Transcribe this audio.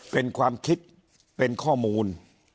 เป็นความคิดเป็นข้อมูล